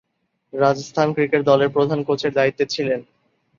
Rajasthan cricket দলের প্রধান কোচের দায়িত্বে ছিলেন।